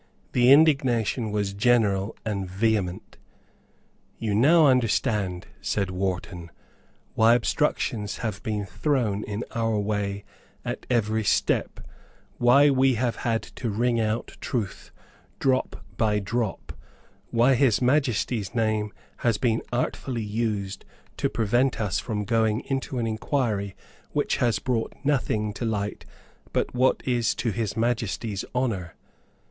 The indignation was general and vehement. "You now understand," said Wharton, "why obstructions have been thrown in our way at every step, why we have had to wring out truth drop by drop, why His Majesty's name has been artfully used to prevent us from going into an inquiry which has brought nothing to light but what is to His Majesty's honour.